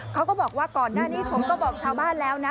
เขาก็บอกว่าก่อนหน้านี้ผมก็บอกชาวบ้านแล้วนะ